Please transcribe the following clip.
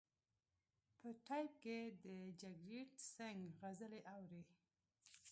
په ټیپ کې د جګجیت سنګ غزلې اوري.